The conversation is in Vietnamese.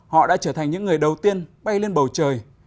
họ đã trở thành những người đầu tiên bay lên bầu trời